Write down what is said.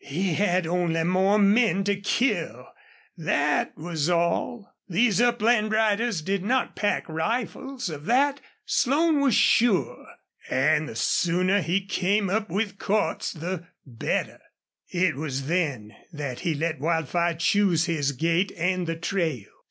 He had only more men to kill that was all. These upland riders did not pack rifles, of that Slone was sure. And the sooner he came up with Cordts the better. It was then he let Wildfire choose his gait and the trail.